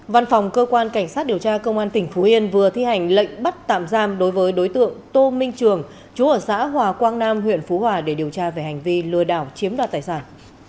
văn phòng cơ quan cảnh sát điều tra công an tỉnh phú yên vừa thi hành lệnh bắt tạm giam đối với đối tượng tô minh trường chú ở xã hòa quang nam huyện phú hòa để điều tra về hành vi lừa đảo chiếm đoạt tài sản